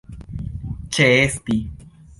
ĉeesti